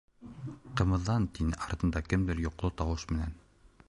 —Ҡымыҙҙан, —тине артында кемдер йоҡоло тауыш менән.